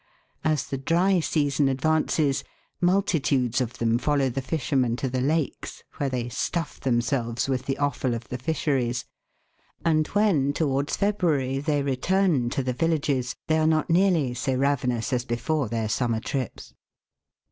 As the dry season advances, multitudes of them follow the fishermen to the lakes, where they stuff themselves with the offal of the fisheries, and when, towards February, they return to the villages, they are not nearly so ravenous as before their summer trips.